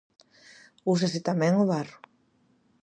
Úsase tamén o barro.